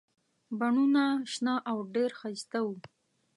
بڼونه شنه او ډېر ښایسته وو.